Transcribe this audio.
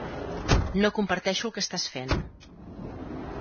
No comparteixo el que estàs fent.